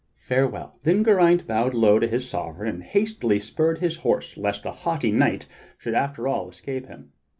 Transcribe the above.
Farewell." Then Geraint bowed low to his sovereign, and hastily spurred his horse lest the haughty knight should after all escape him.